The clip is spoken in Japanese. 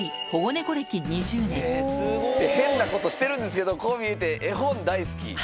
変なことしてるんですけど、こう見えて絵本大好き。